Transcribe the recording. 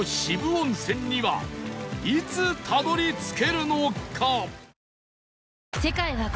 温泉にはいつたどり着けるのか？